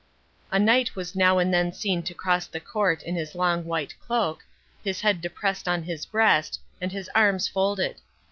A knight was now and then seen to cross the court in his long white cloak, his head depressed on his breast, and his arms folded.